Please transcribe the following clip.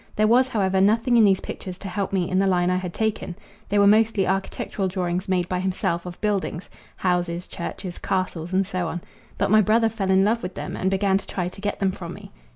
There was, however, nothing in these pictures to help me in the line I had taken: they were mostly architectural drawings made by himself of buildings houses, churches, castles, and so on, but my brother fell in love with them and began to try to get them from me.